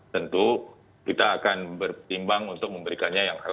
tentu kita akan bertimbang untuk memberikannya yang lebih baik